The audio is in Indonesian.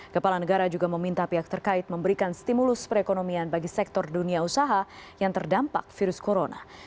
kepala negara juga meminta pihak terkait memberikan stimulus perekonomian bagi sektor dunia usaha yang terdampak virus corona